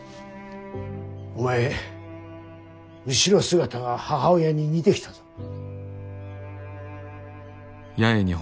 お前後ろ姿が母親に似てきたぞ。